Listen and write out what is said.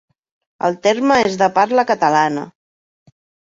El terme és de parla catalana.